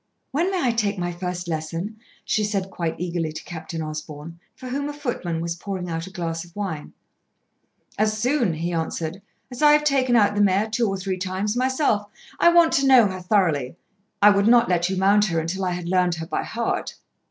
"When may I take my first lesson?" she said quite eagerly to Captain Osborn, for whom a footman was pouring out a glass of wine. "As soon," he answered, "as I have taken out the mare two or three times myself. I want to know her thoroughly. I would not let you mount her until I had learned her by heart."